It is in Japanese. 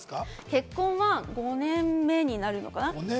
結婚は５年目になるのかな？